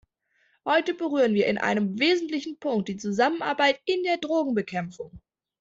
Heute berühren wir einen wesentlichen Punkt, die Zusammenarbeit in der Drogenbekämpfung.